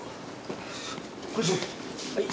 はい。